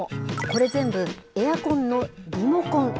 これ全部、エアコンのリモコン。